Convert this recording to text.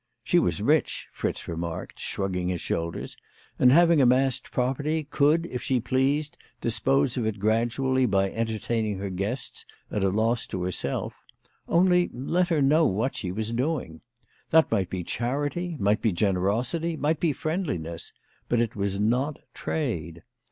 She was rich, Fritz remarked, shrugging his shoulders, and having amassed property could if she pleased dispose of it gradually by entertaining her guests at a loss to herself ; only let her know what she was doing. That might be charity, might be generosity, might be friendliness ; but it was not trade.